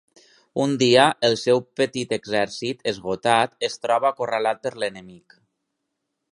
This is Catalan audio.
Un dia, el seu petit exèrcit, esgotat, es troba acorralat per l'enemic.